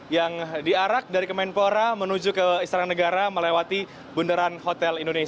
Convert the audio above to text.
yang diarak dari kemenpora menuju ke istana negara melewati bundaran hotel indonesia